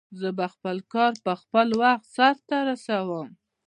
زه به خپل کار په خپل وخت سرته ورسوم